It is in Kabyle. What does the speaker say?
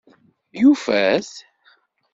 Yufa-t?